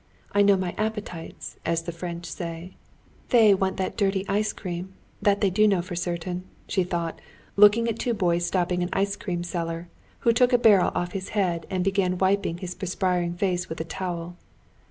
I know my appetites, as the French say. They want that dirty ice cream, that they do know for certain," she thought, looking at two boys stopping an ice cream seller, who took a barrel off his head and began wiping his perspiring face with a towel.